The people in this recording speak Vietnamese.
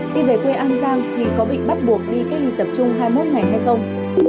khi về quê an giang thì có bị bắt buộc đi cách ly tập trung hai mươi một ngày hay không